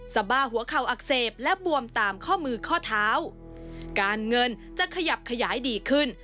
สบายหัวเข่าอักเสบและบวมตามข้อมือข้อเท้าการเงินจะขยับขยายดีขึ้น